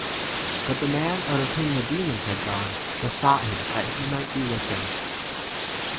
But the man out of whom the demons had gone besought him that he might be with him.